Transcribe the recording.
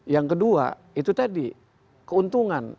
yang kedua itu tadi keuntungan